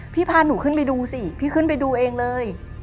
พาหนูขึ้นไปดูสิพี่ขึ้นไปดูเองเลย